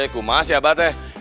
kumas ya bapak teh